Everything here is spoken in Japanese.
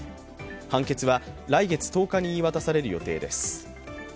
判決は来月１０日に言い渡される予定です。